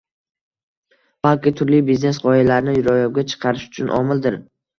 balki turli biznes-g‘oyalarni ro‘yobga chiqarish uchun omildir.